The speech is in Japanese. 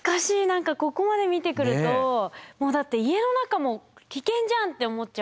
何かここまで見てくるともうだって家の中も危険じゃんって思っちゃうんですけど。